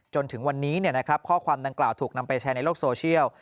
จนถึงวันนี้ข้อความดังกล่าวถูกนำไปแชร์ในโลกโซเชียล